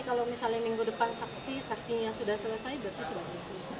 kalau misalnya minggu depan saksi saksinya sudah selesai berarti sudah selesai